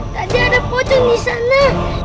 tadi ada pocong di sana